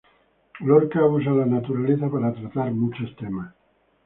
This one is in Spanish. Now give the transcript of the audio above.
Lorca usa a la naturaleza para tratar muchos temas.